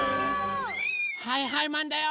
はいはいマンだよ！